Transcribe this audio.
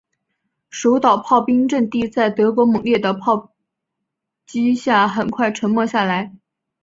守岛炮兵阵地在德军猛烈的炮击下很快沉默下来。